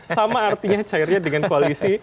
sama artinya cairnya dengan koalisi